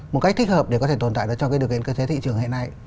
một cách thích hợp để có thể tồn tại trong cơ thể thị trường hiện nay